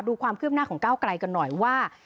ดูความคืบหน้าของก้าวไกลกันหน่อยว่า